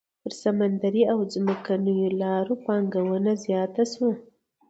پر سمندري او ځمکنيو لارو پانګونه زیاته شوه.